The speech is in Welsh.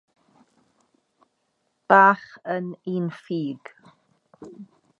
Bach yn un ffug.